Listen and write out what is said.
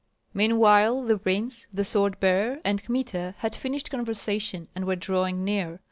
Meanwhile the prince, the sword bearer, and Kmita had finished conversation and were drawing near.